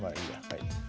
はい。